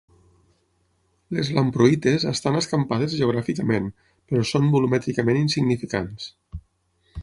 Les lamproïtes estan escampades geogràficament però són volumètricament insignificants.